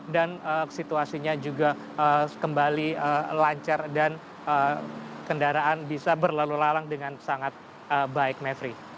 dan situasinya juga kembali lancar dan kendaraan bisa berlalu lalang dengan sangat baik mevri